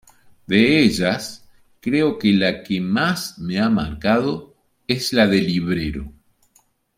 De ellas, creo que la que más me ha marcado es la de librero.